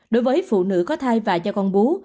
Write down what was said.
đối với phụ nữ có thai và cho con bú